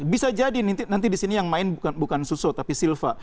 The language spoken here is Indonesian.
bisa jadi nanti disini yang main bukan suso tapi silva